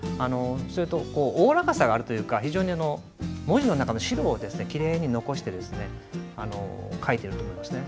それとおおらかさがあるというか非常に文字の中の白をきれいに残して書いていると思いますね。